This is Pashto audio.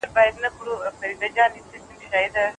د مځکي په اړه دغه نرمغالی ډېر دقیق معلومات ورکوی.